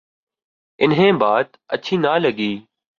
انہیں بات اچھی نہ لگی۔